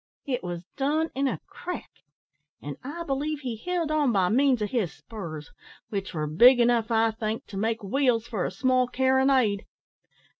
It was done in a crack; an', I believe, he held on by means of his spurs, which were big enough, I think, to make wheels for a small carronade.